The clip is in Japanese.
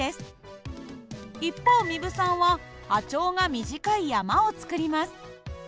一方壬生さんは波長が短い山を作ります。